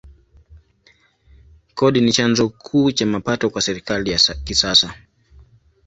Kodi ni chanzo kuu cha mapato kwa serikali ya kisasa.